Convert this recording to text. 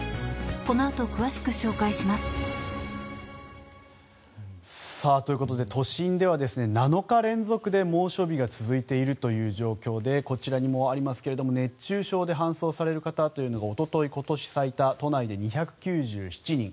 このあと詳しく紹介します。ということで都心では７日連続で猛暑日が続いているという状況でこちらにもありますが熱中症で搬送される方というのがおととい、今年最多都内で２９７人